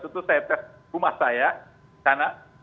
itu saya tes rumah saya di sana